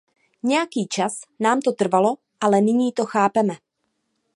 Nějaký čas nám to trvalo, ale nyní to chápeme.